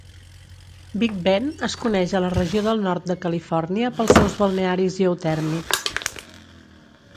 Big Bend es coneix a la regió del Nord de Califòrnia pels seus balnearis geotèrmics.